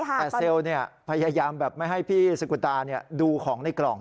แต่เซลล์เนี่ยพยายามแบบไม่ให้พี่สกุลตาเนี่ยดูของในกล่อง